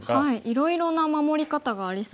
いろいろな守り方がありそうですね。